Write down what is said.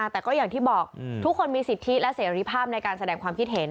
แต่ก็อย่างที่บอกทุกคนมีสิทธิและเสรีภาพในการแสดงความคิดเห็น